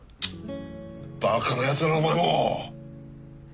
バカなやつだなお前も！